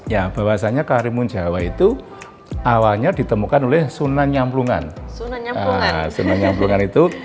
ya bahwasannya karimun jawa itu awalnya ditemukan oleh sunan nyamplungan sunan nyamplungan itu